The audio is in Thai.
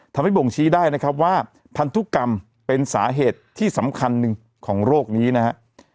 บ่งชี้ได้นะครับว่าพันธุกรรมเป็นสาเหตุที่สำคัญหนึ่งของโรคนี้นะฮะ